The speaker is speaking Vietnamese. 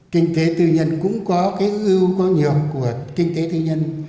kinh tế tư nhân cũng có cái ưu có nhược của kinh tế tư nhân